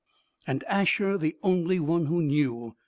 And Asher the only one who knew.